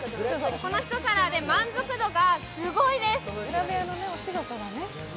この１皿で満足度がすごいです。